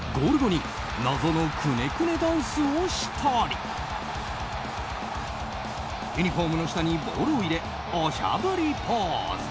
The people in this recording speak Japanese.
ゴール後に謎のクネクネダンスをしたりユニホームの下にボールを入れおしゃぶりポーズ。